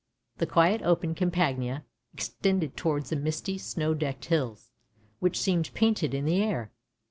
The quiet open Campagna extended towards the misty snow decked hills, which seemed painted in the air.